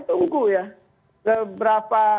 tunggu ya keberapa